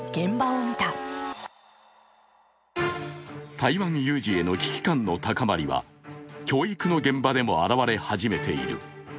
台湾有事への危機感の高まりは教育の現場でも表れ始めている。